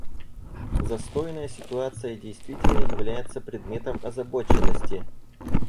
Застойная ситуация действительно является предметом озабоченности.